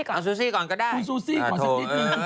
เอาคุณซูซี่ก่อนก็ได้คุณซูซี่ก่อนสักนิดนึง